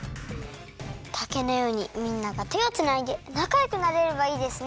たけのようにみんながてをつないでなかよくなれればいいですね！